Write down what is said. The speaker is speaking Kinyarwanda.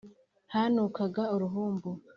Hanukaga uruhumbu .